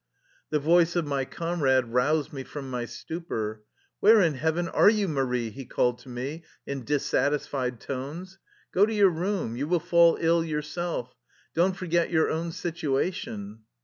The voice of my comrade roused me from my stupor. " Where in Heaven are you, Marie? " he called to me in dissatisfied tones. " Go to your room. You will fall ill yourself. Don't forget your own situation."